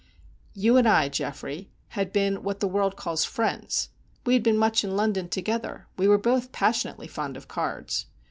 "You and I, Geoffrey, had been what the world calls friends. We had been much in London together; we were both passionately fond of cards.